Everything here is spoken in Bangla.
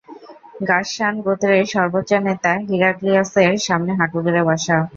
গাসসান গোত্রের সর্বোচ্চ নেতা হিরাক্লিয়াসের সামনে হাঁটু গেড়ে বসা।